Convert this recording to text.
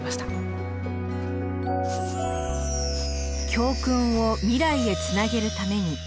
教訓を未来へつなげるために。